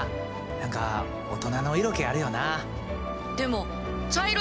何か大人の色気あるよな。